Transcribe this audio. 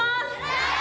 はい！